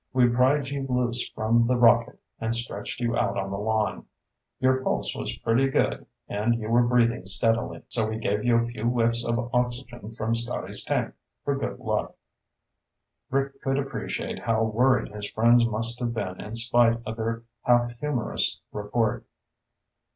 We pried you loose from the rocket and stretched you out on the lawn. Your pulse was pretty good and you were breathing steadily, so we gave you a few whiffs of oxygen from Scotty's tank for good luck." Rick could appreciate how worried his friends must have been in spite of their half humorous report.